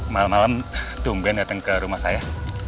malam malam tumben datang ke rumah saya